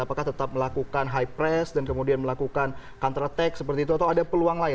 apakah tetap melakukan high press dan kemudian melakukan counter attack seperti itu atau ada peluang lain